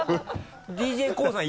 ＤＪＫＯＯさん